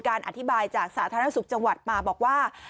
อธิบายจากสาธารณสุขจังหวัดมาบอกว่า